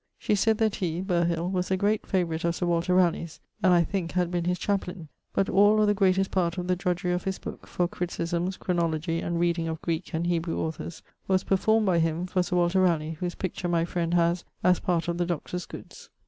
She sayd that he was a great favourite of Sir Walter Ralegh's (and, I thinke, had been his chaplayne): but all or the greatest part of the drudgery of his booke, for criticismes, chronology, and reading of Greeke and Hebrew authors, was performed by him for Sir Walter Ralegh, whose picture my friend haz as part of the Doctor's goods.